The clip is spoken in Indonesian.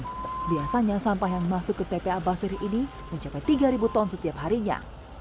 dan biasanya sampah yang masuk ke tpa basiri ini mencapai tiga ton setiap harinya